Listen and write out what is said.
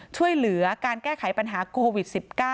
ช่วยเหลือการแก้ไขปัญหาโควิด๑๙